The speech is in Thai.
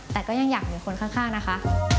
แต่ก็ยังอยากมีคนข้างนะคะ